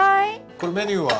これメニューは？